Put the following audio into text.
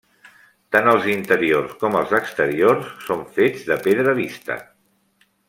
Tant els interiors com els exteriors són fets de pedra vista.